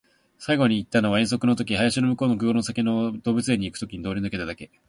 最後に行ったのは遠足の時、林の向こうの国道の先の動物園に行く時に通り抜けただけ